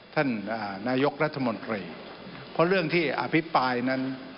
ท่านนายกรัฐมนตรีเพราะเรื่องที่อภิปรายนั้น